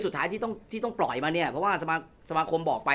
สุดท้ายที่ต้องปล่อยมาเนี่ยเพราะว่าสมาคมบอกไป